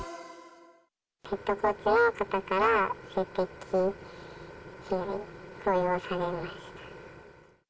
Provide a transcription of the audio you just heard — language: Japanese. ヘッドコーチの方から性的な行為をされました。